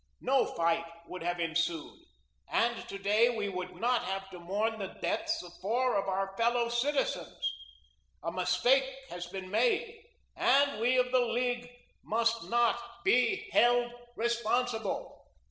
No fight would have ensued, and to day we would not have to mourn the deaths of four of our fellow citizens. A mistake has been made and we of the League must not be held responsible."